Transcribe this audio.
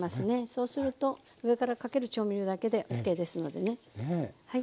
そうすると上からかける調味料だけでＯＫですのでね。